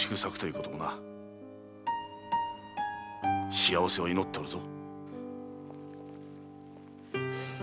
幸せを祈っておるぞ。